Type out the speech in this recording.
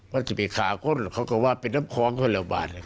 มันจะไปขาคนเขาก็ว่าเป็นน้ำคล้องเขาแล้วบ้าง